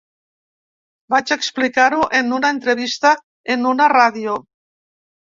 Vaig explicar-ho en una entrevista en una ràdio.